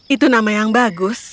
itu nama yang bagus